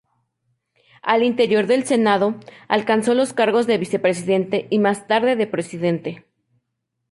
Al interior del Senado alcanzó los cargos de Vicepresidente y más tarde de Presidente.